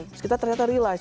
terus kita ternyata realize